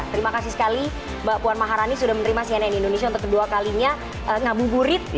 terima kasih sekali mbak puan maharani sudah menerima cnn indonesia untuk kedua kalinya ngabuburit